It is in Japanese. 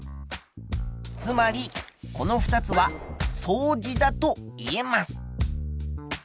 つまりこの２つは相似だといえます。